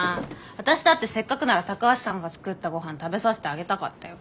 私だってせっかくなら高橋さんが作ったごはん食べさせてあげたかったよ。